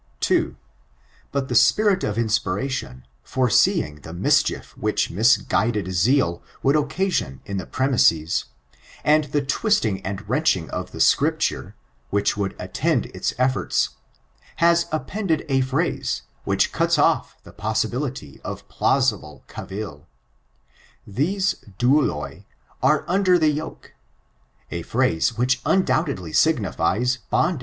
2. But the spirit of inspiration, fin'eseeing the mischief winch misguided zeal would occasion iu the premises, and the twisdng and wrenching of scripture, which would attend its efforts, has appended a phrase, which cuts off die possibility of plausible caviL These douUn are under ike yeke^ a phrase which undoubtedly signifies bondage.